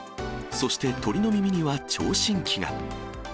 そして、鳥の耳には聴診器が。